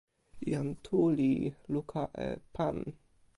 jan Tu li luka e pan.